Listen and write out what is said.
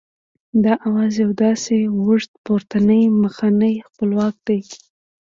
دا آواز یو داسې اوږد پورتنی مخنی خپلواک دی